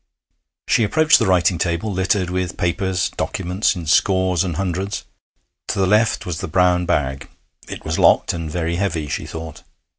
She approached the writing table, littered with papers, documents, in scores and hundreds. To the left was the brown bag. It was locked, and very heavy, she thought.